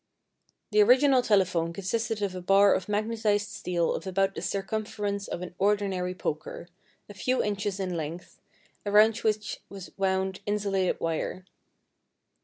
The original telephone consisted of a bar of magnetized steel of about the circumference of an ordinary poker, a few inches in length, around which was wound insulated wire.